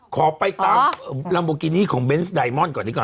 ขอไปตามลัมโบกินี่ของเบนส์ไดมอนก่อนดีกว่า